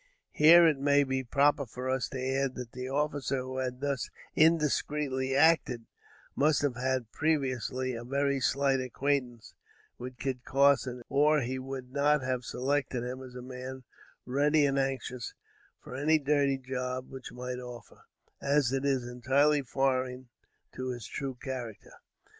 Here it may be proper for us to add that the officer who had thus indiscreetly acted, must have had previously a very slight acquaintance with Kit Carson, or he would not have selected him as a man ready and anxious for any dirty job which might offer, as it is entirely foreign to his true character.